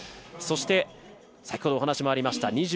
そして、先ほどお話もありました